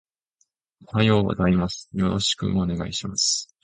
おはようございます。よろしくお願いします